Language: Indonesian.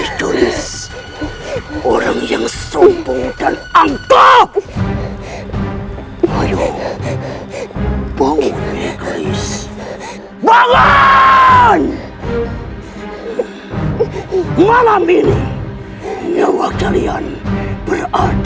aku tidak akan membiarkan hubungan kalian berakhir dengan indah